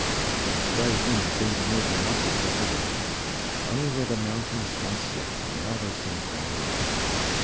A stray wind seemed to move the mosses, that was all. Only where the mountains once slept now they seemed wide awake.